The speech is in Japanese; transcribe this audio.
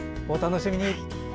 お楽しみに。